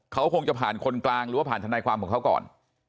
เขาคงจะผ่านคนกลางหรือว่าผ่านทนายความของเขาก่อน